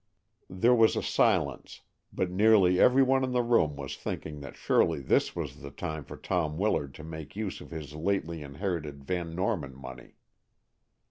There was a silence, but nearly every one in the room was thinking that surely this was the time for Tom Willard to make use of his lately inherited Van Norman money.